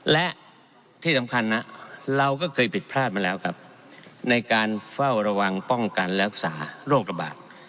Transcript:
และที่สำคัญนะเราก็เคยผิดพลาดมาแล้วครับในการเฝ้าระวังป้องกันรักษาโรคระบาด